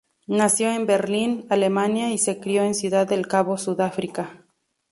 Nació en Berlín, Alemania y se crio en Ciudad del Cabo, Sudáfrica.